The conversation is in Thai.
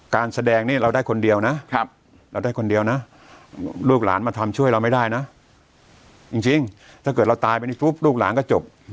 การแสดงนี้เราได้คนเดียวนะลูกหลานมาทำช่วยเราไม่ได้นะจริงถ้าเกิดเราตายไปนี่ลูกหลานก็จบ